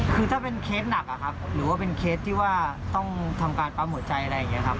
คือถ้าเป็นเคสหนักอะครับหรือว่าเป็นเคสที่ว่าต้องทำการปั๊มหัวใจอะไรอย่างนี้ครับ